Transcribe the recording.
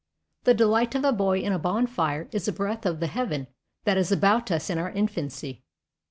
The delight of a boy in a bonfire is a breath of the heaven that is about us in our infancy.